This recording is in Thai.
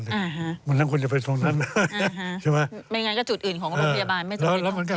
ไงงั้นก็จุดอื่นของโรคพยาบาล